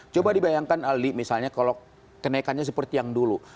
coba dibayangkan aldi misalnya kalau kenaikannya seperti yang dulu